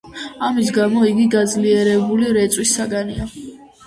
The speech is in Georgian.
ამის გამო იგი გაძლიერებული რეწვის საგანია.